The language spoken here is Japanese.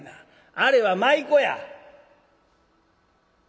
あれは舞妓や」。